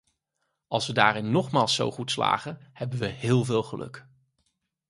Als we daarin nogmaals zo goed slagen, hebben we heel veel geluk.